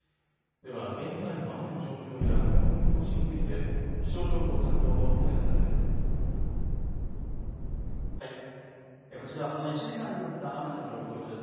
では現在の雨の状況や今後の見通しについて気象情報担当の船木さんです。